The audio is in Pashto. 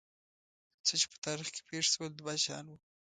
څه چې په تاریخ کې پېښ شول دوه شیان وو.